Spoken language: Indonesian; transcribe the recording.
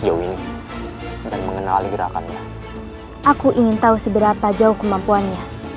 abikara wykaskan ayah untuk membayangkan ayah nya